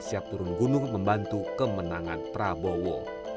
siap turun gunung membantu kemenangan prabowo